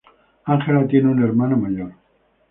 Angela tiene un hermano mayor.